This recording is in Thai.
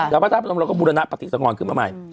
แล้วพระศาสตร์พระนมก็บูรณะปฏิสังหวัลขึ้นมาใหม่